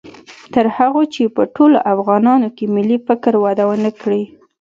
تر هغو چې په ټولو افغانانو کې ملي فکر وده و نه کړي